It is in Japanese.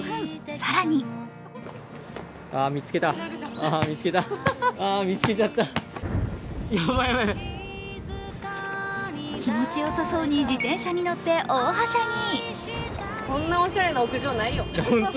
更に気持ちよさそうに自転車に乗って大はしゃぎ。